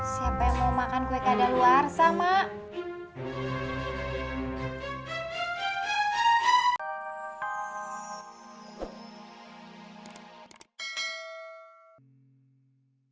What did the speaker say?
siapa yang mau makan kue kadal warsa mak